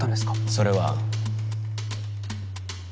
それは。